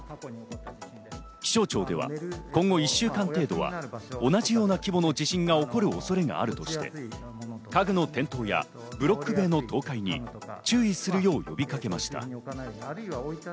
気象庁では今後１週間程度は同じような規模の地震が起こる恐れがあるとして、家具の転倒やブロック塀の倒壊に注意するよう呼びかけました。